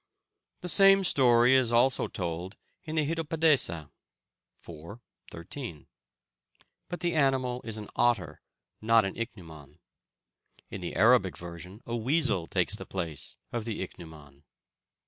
The same story is also told in the Hitopadesa (iv. 13), but the animal is an otter, not an ichneumon. In the Arabic version a weasel takes the place of the ichneumon.